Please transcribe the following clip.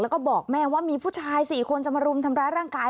แล้วก็บอกแม่ว่ามีผู้ชาย๔คนจะมารุมทำร้ายร่างกาย